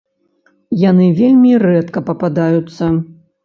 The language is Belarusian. Яны вельмі рэдка пападаюцца.